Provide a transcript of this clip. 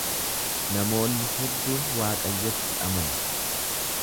Namoonni hedduun Waaqayyootti amanu.